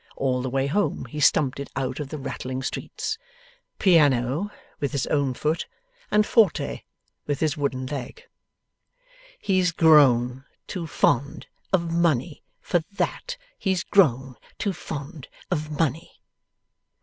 All the way home he stumped it out of the rattling streets, PIANO with his own foot, and FORTE with his wooden leg, 'He's GROWN too FOND of MONEY for THAT, he's GROWN too FOND of MONEY.